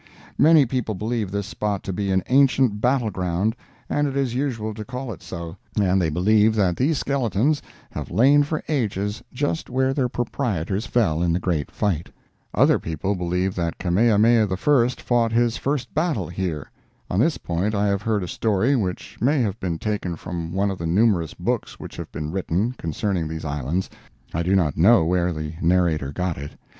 Many people believe this spot to be an ancient battle ground, and it is usual to call it so, and they believe that these skeletons have lain for ages just where their proprietors fell in the great fight. Other people believe that Kamehameha I fought his first battle here. On this point, I have heard a story, which may have been taken from one of the numerous books which have been written, concerning these islands—I do not know where the narrator got it.